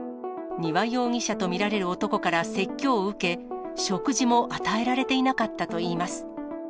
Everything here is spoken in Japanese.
丹羽容疑者と見られる男から説教を受け、食事も与えられていなかったといいます。